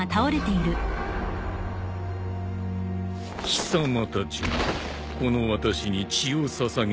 貴様たちもこの私に血を捧げに来たのだね。